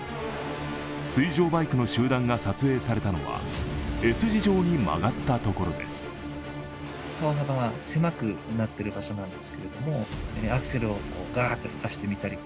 水上バイクの集団が撮影されたのは、Ｓ字状に曲がった所です。